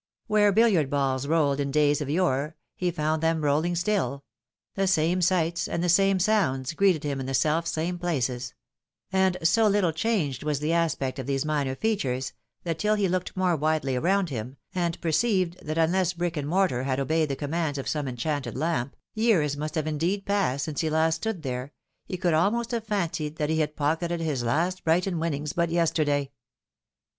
"Wliere biUiard balls rolled in days of yore, he found them rolling still ; the same sights, and the same sounds, greeted him in the self same places ; and so little changed was the aspect of these minor features, that tiU he looked more widely round him, and perceived that unless brick and mortar had obeyed the commands of some enchanted lamp, years must indeed have passed since last he stood there, he could almost have fancied that he had pocketed his last Brighton winnings but yesterday.